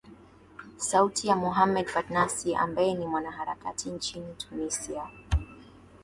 sauti ya mohamed fatnasi ambae ni mwanaharakati nchini tunisia